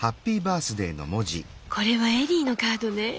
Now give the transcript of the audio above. これはエリーのカードね？